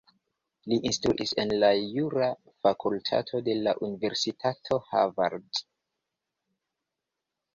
Li instruas en la jura fakultato de la Universitato Harvard.